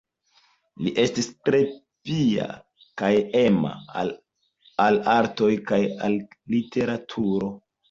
Li estis tre pia kaj ema al artoj kaj al literaturo.